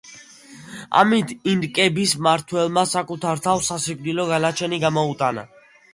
ამით, ინკების მმართველმა საკუთარ თავს სასიკვდილო განაჩენი გამოუტანა.